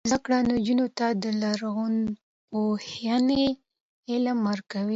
زده کړه نجونو ته د لرغونپوهنې علم ورکوي.